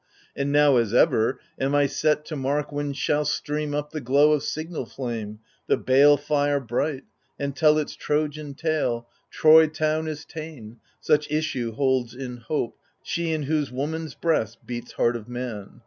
And now, as ever, am I set to mark When shall stream up the glow of signal fiame, The bale fire bright, and tell its Trojan tale — Troy town is t<ien : such issue holds in hope She in whose woman's breast beats heart of man.